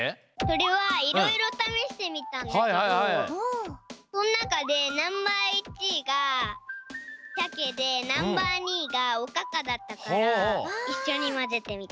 それはいろいろためしてみたんだけどそのなかでナンバー１いがしゃけでナンバー２いがおかかだったからいっしょにまぜてみた。